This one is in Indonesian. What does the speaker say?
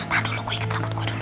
nah dulu gue ikut rambut gue dulu